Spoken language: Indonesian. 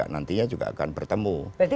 nantinya juga akan bertemu